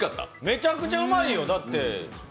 めちゃくちゃうまいよ。